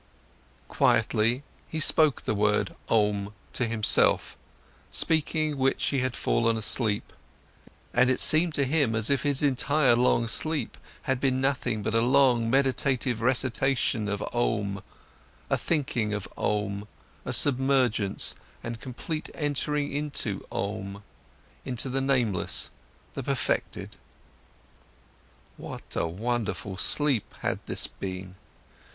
Quietly, he spoke the word Om to himself, speaking which he had fallen asleep, and it seemed to him as if his entire long sleep had been nothing but a long meditative recitation of Om, a thinking of Om, a submergence and complete entering into Om, into the nameless, the perfected. What a wonderful sleep had this been!